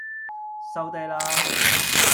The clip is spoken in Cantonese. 收嗲啦